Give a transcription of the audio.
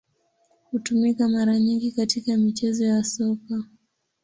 Hutumika mara nyingi katika michezo ya Soka.